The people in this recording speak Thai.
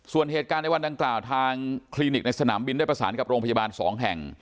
ส่วนเหตุการณ์ในวันดังกล่าวทางคลินิกในสนามบินได้ประสานกับโรงพยาบาล๒แห่ง